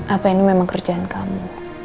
apa ini memang kerjaan kamu